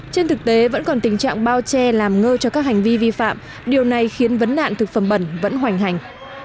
trên thực tế vẫn còn tình trạng bao che làm ngơ cho các hành vi vi phạm điều này khiến vấn nạn thực phẩm bẩn vẫn hoành hành